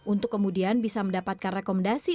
untuk kemudian bisa mendapatkan rekomendasi